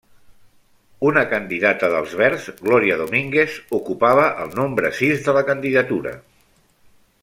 Una candidata d'Els Verds, Glòria Domínguez, ocupava el nombre sis de la candidatura.